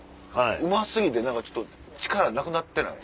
うま過ぎて何かちょっと力なくなってない？